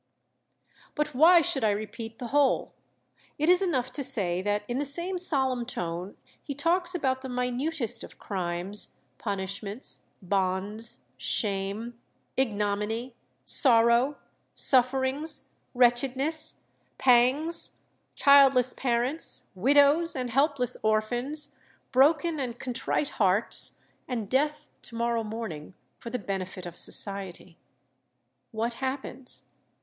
But why should I repeat the whole? It is enough to say that in the same solemn tone he talks about the minutest of crimes, punishments, bonds, shame, ignominy, sorrow, sufferings, wretchedness, pangs, childless parents, widows and helpless orphans, broken and contrite hearts, and death to morrow morning for the benefit of society. What happens?